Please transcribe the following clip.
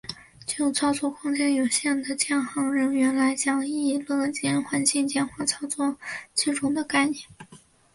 就操作空间有限的航舰人员来讲亦乐见环境简化操作机种的概念。